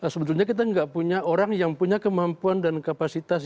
sebetulnya kita nggak punya orang yang punya kemampuan dan kapasitas